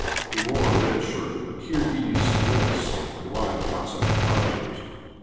He wore a red shirt, a Kirghiz dress, and wide Cossack trousers.